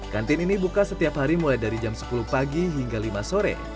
kantin ini buka setiap hari mulai dari jam sepuluh pagi hingga lima sore